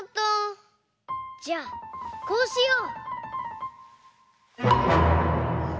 じゃあこうしよう！